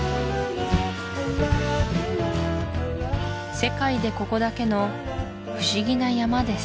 世界でここだけのふしぎな山です